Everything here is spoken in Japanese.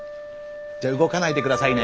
じゃ動かないでくださいね。